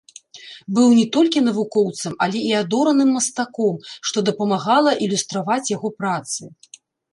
Быў не толькі навукоўцам, але і адораным мастаком, што дапамагала ілюстраваць яго працы.